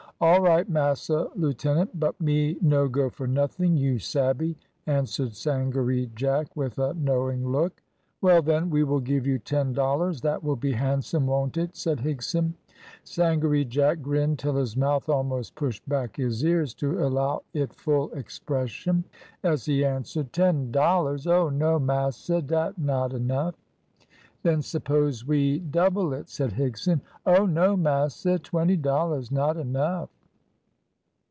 "All right, massa lieutenant, but me no go for nothing, you sabbe," answered Sangaree Jack, with a knowing look. "Well, then, we will give you ten dollars, that will be handsome, won't it?" said Higson. Sangaree Jack grinned till his mouth almost pushed back his ears to allow it full expansion, as he answered "Ten dollars! oh no! massa, dat not enough." "Then suppose we double it," said Higson. "Oh no! massa, twenty dollars not enough."